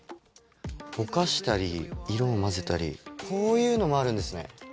ぼかしたり色を混ぜたりこういうのもあるんですね。